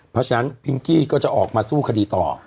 เพราะฉะนั้นพิงกี้ก็จะออกมาสู้คดีต่อ